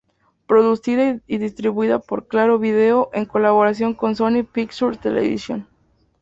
Producida y distribuida por Claro Video en colaboración con Sony Pictures Television.